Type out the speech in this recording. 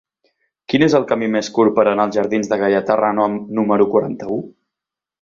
Quin és el camí més curt per anar als jardins de Gaietà Renom número quaranta-u?